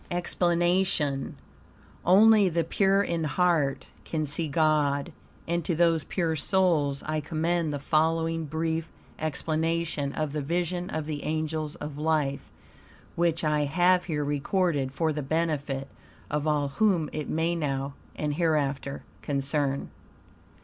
EXPLANATION Only the pure in heart can see God, and to those pure souls I commend the following brief explanation of the Vision of the Angels of Life, which I have here recorded for the benefit of all whom it may now and hereafter concern.